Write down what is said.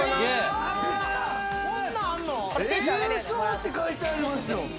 優勝って書いてありますよ。